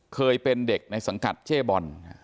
เคยเป็นเด็กในสังกัดเจ๊บอล